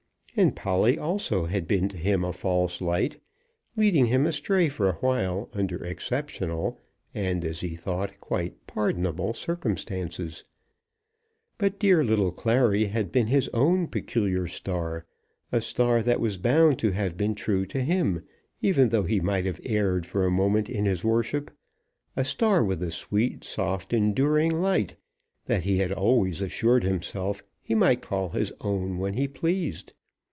And Polly also had been to him a false light, leading him astray for awhile under exceptional, and, as he thought, quite pardonable circumstances. But dear little Clary had been his own peculiar star, a star that was bound to have been true to him, even though he might have erred for a moment in his worship, a star with a sweet, soft, enduring light, that he had always assured himself he might call his own when he pleased.